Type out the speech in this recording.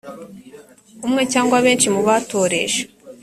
umwe cyangwa benshi mu batoresha